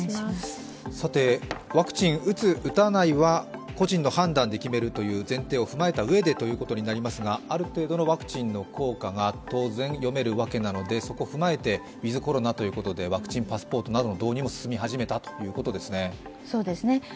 ワクチン打つ、打たないは個人の判断で決めるという前提を踏まえたうえでとなりますが、ある程度のワクチンの効果が当然読めるわけなのでそこを踏まえてウィズ・コロナということでワクチンパスポートなどの導入も進み始めたということですね。